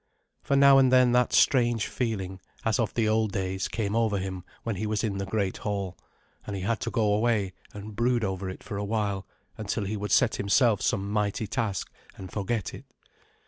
For now and then that strange feeling, as of the old days, came over him when he was in the great hall, and he had to go away and brood over it for a while until he would set himself some mighty task and forget it.